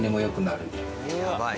やばい。